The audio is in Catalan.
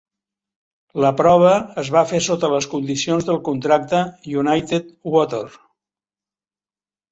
La prova es va fer sota les condicions del contracte United Water.